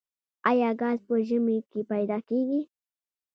آیا ګاز په ژمي کې پیدا کیږي؟